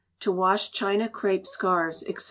To Wash China Crêpe Scarves, &c.